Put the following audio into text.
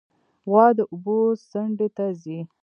غوا د اوبو څنډې ته ځي.